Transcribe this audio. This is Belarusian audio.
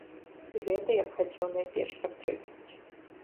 Гэта я б хацеў найперш падкрэсліць.